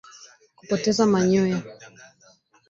Kupoteza manyoya